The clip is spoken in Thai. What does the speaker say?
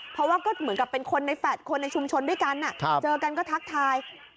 เพราะว่าก็เหมือนกับเป็นคนในแฟลตคนในชุมชนด้วยกันเจอกันก็ทักทาย